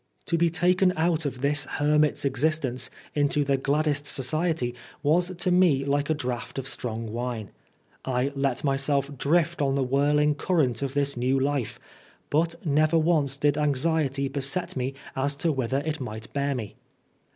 To be taken out of this hermit's existence into the gladdest society was to me like a draught of strong wine. I let myself drift on the whirling current of this new life, but never once did anxiety beset me as to whither it might bear me.